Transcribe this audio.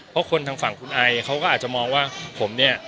เพราะคนทางฝั่งคุณไอเขาก็อาจจะมองว่าผมเนี่ย